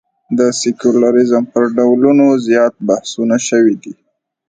د سیکولریزم پر ډولونو زیات بحثونه شوي دي.